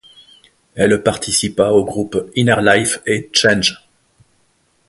Elle participa aux groupes Inner Life et Change.